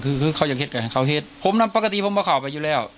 คือเขาจะเคล็ดกับเขาเคล็ดผมนั้นปกติผมเข้าไปอยู่แล้ว